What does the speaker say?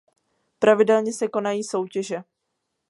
Pravidelně se konají soutěže.